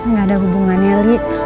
nggak ada hubungannya li